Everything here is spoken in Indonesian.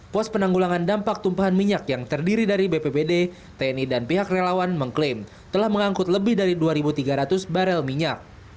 pos penanggulangan dampak tumpahan minyak yang terdiri dari bppd tni dan pihak relawan mengklaim telah mengangkut lebih dari dua tiga ratus barel minyak